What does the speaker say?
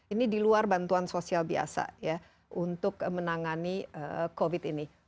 ini di luar bantuan sosial biasa ya untuk menangani covid ini